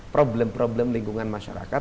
problem problem lingkungan masyarakat